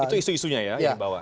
itu isu isunya ya yang dibawa